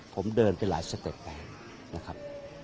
ผมเดินไปหลายสเต็ปไปนะครับ